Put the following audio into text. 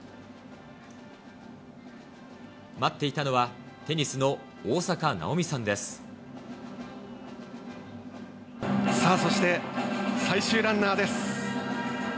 待っていたのはテニスの大坂なおさあ、そして、最終ランナーです。